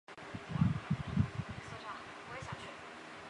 马凯也是一位诗人。